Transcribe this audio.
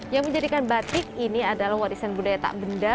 yang menjadikan batik ini adalah warisan budaya tak benda